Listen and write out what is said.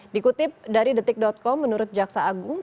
dikutip dari detik com menurut jaksa agung